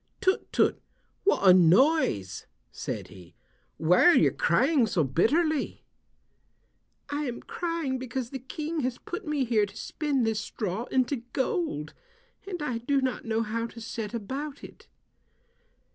"Tut, tut, what a noise," said he. "Why are you crying so bitterly." "I am crying because the King has put me here to spin this straw into gold, and I do not know how to set about it."